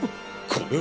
これは。